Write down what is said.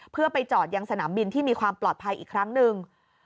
เพื่อไปจอดยังสนามบินที่มีความปลอดภัยอีกครั้งหนึ่ง